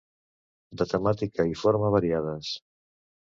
De temàtica i forma variades.